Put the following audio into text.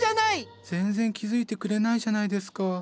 全然気付いてくれないじゃないですか。